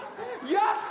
やった！